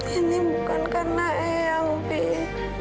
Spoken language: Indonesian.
ini bukan karena ayang pei